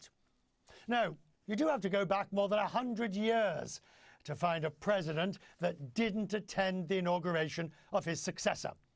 tidak anda harus kembali lebih dari seratus tahun untuk menemukan presiden yang tidak menghadiri pengadilan ke empat puluh enam